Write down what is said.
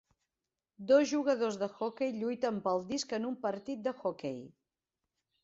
Dos jugadors d'hoquei lluiten pel disc en un partit d'hoquei